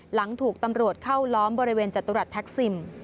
หลังถูกตำรวจเข้าล้อมบริเวณจตุรัสแท็กซิม